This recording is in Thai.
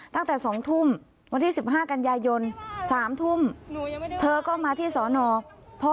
ตั้งแต่๒ทุ่มวันที่๑๕กันยายน๓ทุ่มเธอก็มาที่สอนอพ่อ